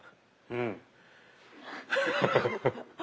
「うん」。